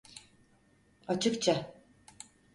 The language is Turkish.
Açıkça.